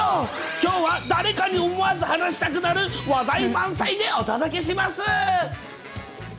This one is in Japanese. きょうは誰かに思わず話したくなる、話題満載でお届けします。